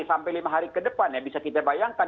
sampai lima hari ke depan ya bisa kita bayangkan